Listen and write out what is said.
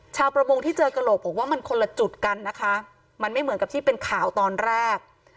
ชาวประมงที่เจอกระโหลกบอกว่ามันคนละจุดกันนะคะมันไม่เหมือนกับที่เป็นข่าวตอนแรก